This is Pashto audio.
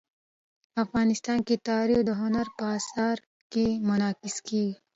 افغانستان کې تاریخ د هنر په اثار کې منعکس کېږي.